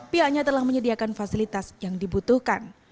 pihaknya telah menyediakan fasilitas yang dibutuhkan